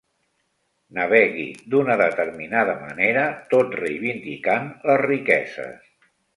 Navegui d'una determinada manera, tot reivindicant les riqueses.